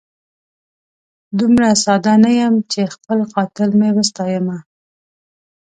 دومره ساده نه یم چي خپل قاتل مي وستایمه